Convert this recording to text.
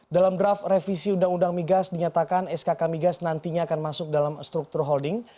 dalam draft revisi undang undang migas dinyatakan skk migas nantinya akan masuk dalam struktur holding